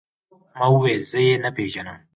ما وويل زه يې نه پېژنم.